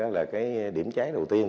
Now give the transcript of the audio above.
là cái điểm trái đầu tiên